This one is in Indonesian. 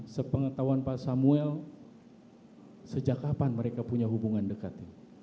sepengetahuan pak samuel sejak kapan mereka punya hubungan dekat ini